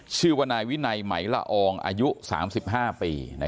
ชื่อว่านายวินัยไหมละอองอายุ๓๕ปี